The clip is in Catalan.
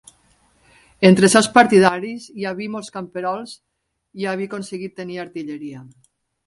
Entre els seus partidaris hi havia molts camperols i havia aconseguit tenir artilleria.